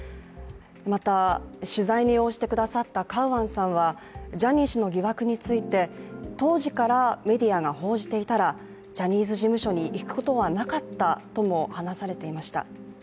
また取材に応じてくださったカウアンさんはジャニー氏の疑惑について、当時からメディアが報じていたらジャニーズ事務所に行くことはなかったとも話されていました。